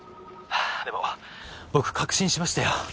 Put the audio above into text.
はぁでも僕確信しましたよ。